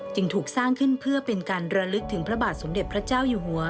จึงถูกสร้างขึ้นเพื่อเป็นการระลึกถึงพระบาทสมเด็จพระเจ้าอยู่หัว